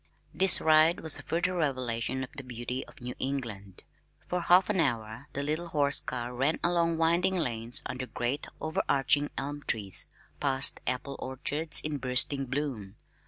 This ride was a further revelation of the beauty of New England. For half an hour the little horse car ran along winding lanes under great overarching elm trees, past apple orchards in bursting bloom.